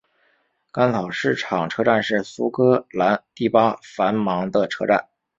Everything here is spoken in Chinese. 干草市场车站是苏格兰第八繁忙的车站。